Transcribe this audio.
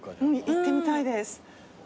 行ってみたいです。